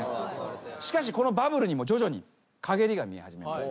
しかしこのバブルにも徐々に陰りが見え始めます。